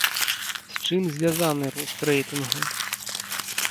З чым звязаны рост рэйтынгу?